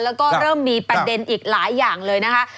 แล้วก็เริ่มมีประเด็นอีกหลายอย่างเลยนะคะ